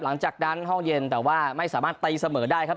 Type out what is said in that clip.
หลังจากนั้นห้องเย็นแต่ว่าไม่สามารถตีเสมอได้ครับ